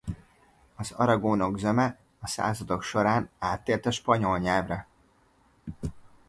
Az aragónok zöme a századok során áttért a spanyol nyelvre.